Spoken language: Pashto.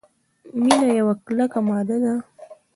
مینا یوه کلکه ماده ده.